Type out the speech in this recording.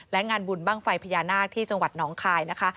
และงานบุญบ้างไฟพญานาคที่จังหวัดน้องคายนะคะ